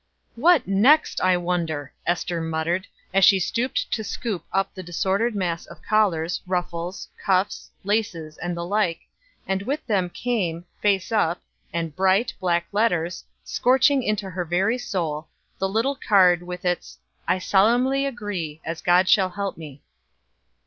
"What next, I wonder?" Ester muttered, as she stooped to scoop up the disordered mass of collars, ruffles, cuffs, laces, and the like, and with them came, face up, and bright, black letters, scorching into her very soul, the little card with its: "I solemnly agree, as God shall help me."